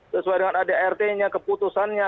sesuai dengan adrt nya keputusannya